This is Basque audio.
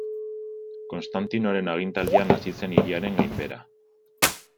Konstantinoren agintaldian hasi zen hiriaren gainbehera.